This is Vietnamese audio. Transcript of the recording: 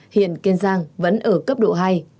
hiện kiên giang vẫn ở cấp độ hai